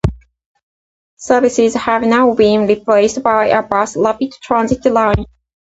Services have now been replaced by a Bus Rapid Transit Line.